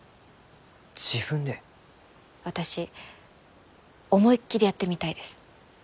私思いっきりやってみたいです。